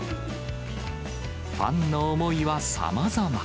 ファンの思いはさまざま。